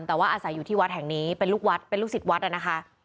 แต่ว่าอาศัยอยู่ที่วัดแห่งนี้เป็นลูกวัดเป็นลูกศิษย์วัดนะคะ